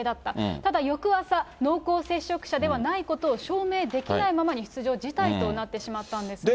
ただ、翌朝、濃厚接触者でないことを証明できないままに、出場辞退となってしまったんですね。